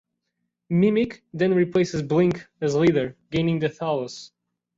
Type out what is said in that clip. Mimic then replaces Blink as leader, gaining the Tallus.